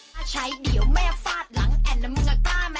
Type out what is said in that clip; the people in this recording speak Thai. สวัสดีค่ะคุณผู้ชมค่ะวันนี้ฮาปัสพามาถึงจากกันอยู่ที่ยา